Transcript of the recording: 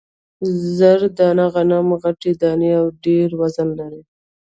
زر دانه غنم غټې دانې او ډېر وزن لري.